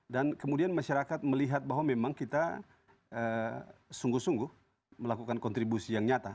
dan kemudian masyarakat melihat bahwa memang kita sungguh sungguh melakukan kontribusi yang nyata